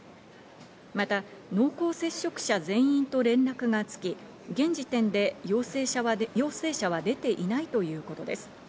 また濃厚接触者全員と連絡がつき、現時点で陽性者は出ていないということです。